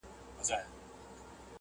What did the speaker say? شپې د ځوانۍ لکه شېبې د وصل وځلېدې!